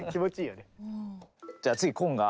じゃあ次コンガ。